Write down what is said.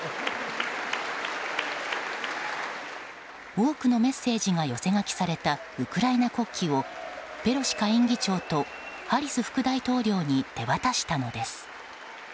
多くのメッセージが寄せ書きされたウクライナ国旗をペロシ下院議長とハリス副大統領に手渡したのです。